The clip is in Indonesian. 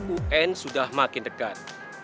un sudah makin dekat